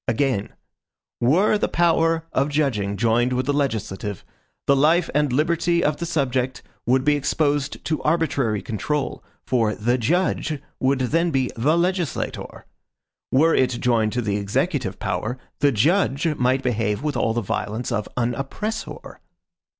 Again: "Were the power of judging joined with the legislative, the life and liberty of the subject would be exposed to arbitrary control, for THE JUDGE would then be THE LEGISLATOR. Were it joined to the executive power, THE JUDGE might behave with all the violence of AN OPPRESSOR."